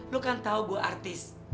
lo kan tau gue artis